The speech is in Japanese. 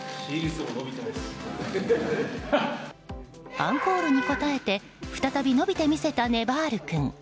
アンコールに応えて再び伸びてみせた、ねばる君。